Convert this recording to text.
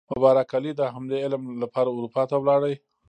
مبارک علي د همدې علم لپاره اروپا ته لاړ.